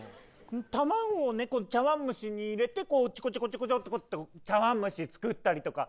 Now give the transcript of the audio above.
卵をね茶わん蒸しに入れてちょこちょこちょこって茶わん蒸し作ったりとか。